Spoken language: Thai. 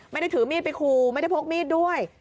ไม่ได้ถือมีดไปคูไม่ได้พกมีดด้วย